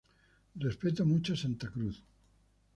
Respeto mucho a Santa Cruz.